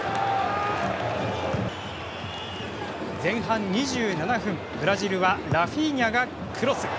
前半２７分、ブラジルはラフィーニャがクロス。